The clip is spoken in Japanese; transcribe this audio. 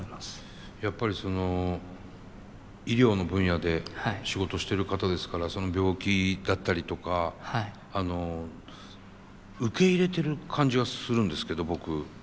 やっぱりその医療の分野で仕事してる方ですからその病気だったりとか受け入れてる感じがするんですけど僕。